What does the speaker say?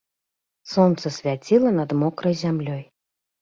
Сонца свяціла над мокрай зямлёй.